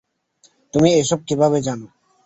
তুমি এসব কিভাবে জানো?